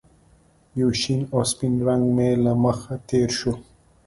یو شین او سپین رنګ مې له مخې تېر شو